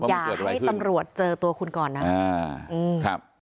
อย่าให้ตำรวจเจอตัวคุณก่อนนะ